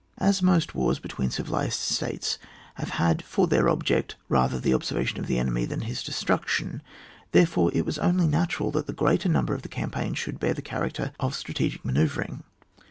As most wars between civilised states have had for their object rather the obser vation of the enemy than his destruction, therefore it was only natural that the greater number of the campaigns should bear the character of strategic manoeuv ring.